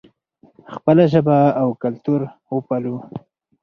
خپله ژبه او کلتور وپالو.